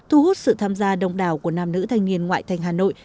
thu hút sự tham gia đông đảo của nam nữ thanh niên ngoại thành hà nội